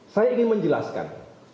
saya ingin menjelaskan